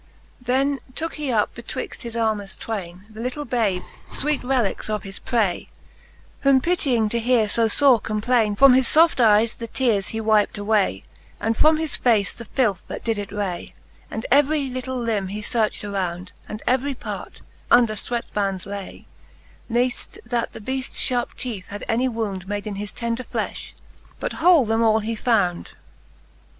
Then took he up betwixt his armes twalne The little babe, fweet relickes of his pray ; Whom pitying to heare fb fore complaine, From his fbft eyes the tears he wypt away, And from his face the filth that did it ray, And every litle limbe he fearcht around, And every part, that under fweathbands lay, Zearfl that the beafts fharpe teeth had any wound Made ia his tender flelh ; but whole them all he found.